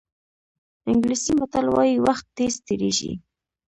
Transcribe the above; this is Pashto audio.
انګلیسي متل وایي وخت تېز تېرېږي.